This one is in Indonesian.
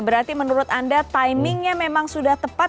berarti menurut anda timingnya memang sudah tepat